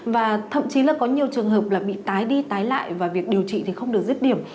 và thậm chí là có nhiều trường hợp là bị tái đi tái lại và việc điều trị thì không được giết điểm